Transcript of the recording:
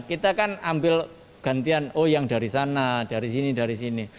kita kan ambil gantian oh yang dari sana dari sini dari sini